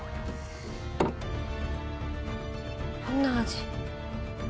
どんな味？